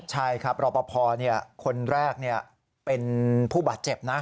ใช่ครับรอปภคนแรกเป็นผู้บาดเจ็บนะ